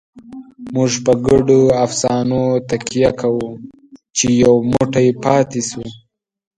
موږ په ګډو افسانو تکیه کوو، چې یو موټی پاتې شو.